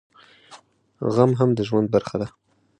غم هم د ژوند برخه ده